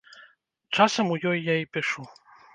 Часам у ёй я і пішу.